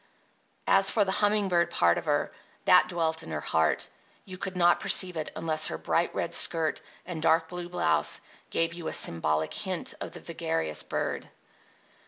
As for the humming bird part of her, that dwelt in her heart; you could not perceive it unless her bright red skirt and dark blue blouse gave you a symbolic hint of the vagarious bird.